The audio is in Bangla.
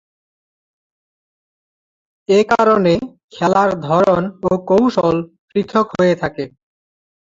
এ কারণে খেলার ধরন ও কৌশল পৃথক হয়ে থাকে।